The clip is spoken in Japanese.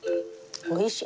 おいしい。